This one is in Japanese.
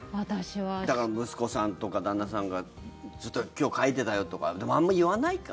だから、息子さんとか旦那さんがちょっと今日、かいてたよとかでも、あんまり言わないか。